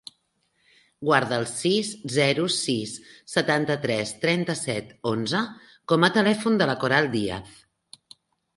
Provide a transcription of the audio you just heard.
Guarda el sis, zero, sis, setanta-tres, trenta-set, onze com a telèfon de la Coral Diaz.